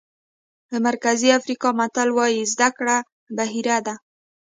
د مرکزي افریقا متل وایي زده کړه بحیره ده.